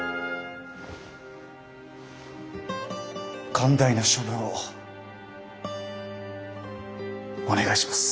寛大な処分をお願いします。